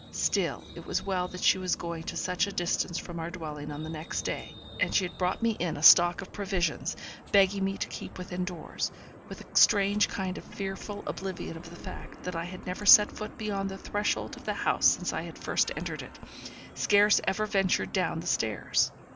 Still it was well that she was going to such a distance from our dwelling on the next day; and she had brought me in a stock of provisions, begging me to keep within doors, with a strange kind of fearful oblivion of the fact that I had never set foot beyond the threshold of the house since I had first entered it scarce ever ventured down the stairs.